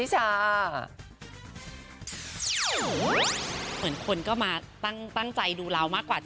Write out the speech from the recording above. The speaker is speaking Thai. เหมือนคนก็มาตั้งใจดูเรามากกว่า